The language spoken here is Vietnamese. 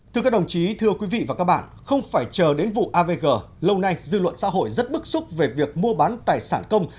thưa các đồng chí thưa quý vị và các bạn không phải chờ đến vụ avg lâu nay dư luận xã hội rất bức xúc về việc mua bán tài sản công